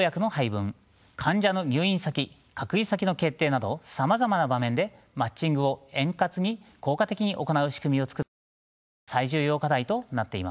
患者の入院先・隔離先の決定などさまざまな場面でマッチングを円滑に効果的に行う仕組みを作ることが最重要課題となっています。